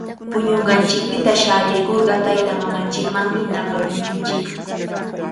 Puñunqanchikpita sharkurqa taytamamanchiktami napakunanchik.